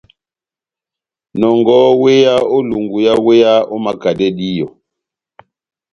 Nɔngɔhɔ wéya ó elungu yá wéya, omakadɛ díyɔ.